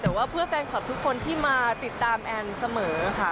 แต่ว่าเพื่อแฟนคลับทุกคนที่มาติดตามแอนเสมอค่ะ